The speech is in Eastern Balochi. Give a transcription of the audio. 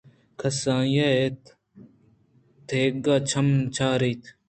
کس آئیءَ و تیگ ءِ چم ءَ نہ چاریت